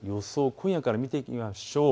今夜から見ていきましょう。